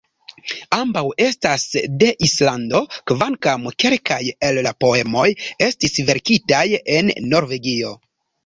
Ambaŭ estas de Islando, kvankam kelkaj el la poemoj estis verkitaj en Norvegio.